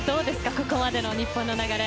ここまでの日本の流れ。